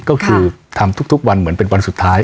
ก็คือทำทุกวันเหมือนเป็นวันสุดท้าย